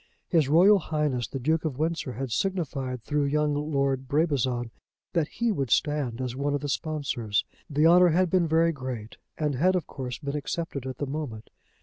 His Royal Highness the Duke of Windsor had signified through young Lord Brabazon that he would stand as one of the sponsors. The honour had been very great, and had of course been accepted at the moment.